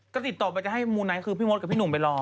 ก็ติดต่อไปจะให้มูไนท์คือพี่มดกับพี่หนุ่มไปรอ